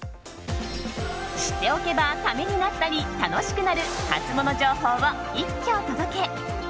知っておけばためになったり楽しくなるハツモノ情報を一挙お届け。